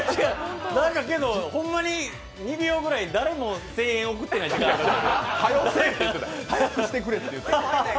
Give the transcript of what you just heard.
でも、ほんまに２秒ぐらい誰も声援送ってない時間がありました。